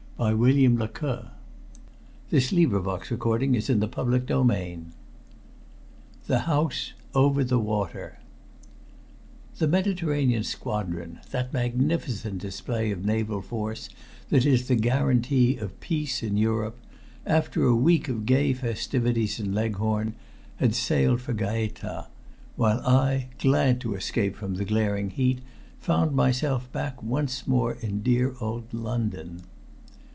I asked, in breathless eagerness. "It concerns a woman." CHAPTER III THE HOUSE "OVER THE WATER" The Mediterranean Squadron, that magnificent display of naval force that is the guarantee of peace in Europe, after a week of gay festivities in Leghorn, had sailed for Gaeta, while I, glad to escape from the glaring heat, found myself back once more in dear old London.